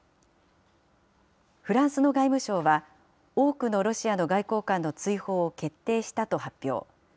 フランスの外務省は、多くのロシアの外交官の追放を決定したと発表。